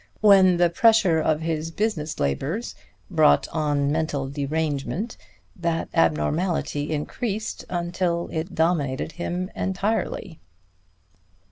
When the pressure of his business labors brought on mental derangement, that abnormality increased until it dominated him entirely."